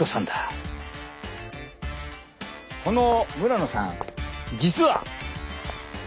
この村野さん実は。